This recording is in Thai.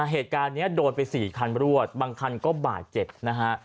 เหตุการณ์นี้โดนไป๔คันรวดบางคันก็บาดเจ็บนะฮะ